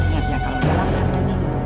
ingat ya kalau dalam satu minggu